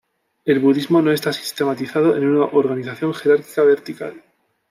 El budismo no está sistematizado en una organización jerárquica vertical.